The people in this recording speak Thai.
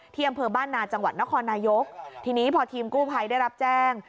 อำเภอบ้านนาจังหวัดนครนายกทีนี้พอทีมกู้ภัยได้รับแจ้ง